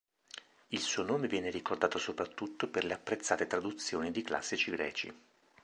Il suo nome viene ricordato soprattutto per le apprezzate traduzioni di classici greci.